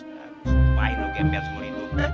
supain lu gembel semua lindung deh